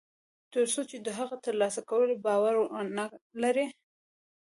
تر څو چې د هغه د تر لاسه کولو باور و نهلري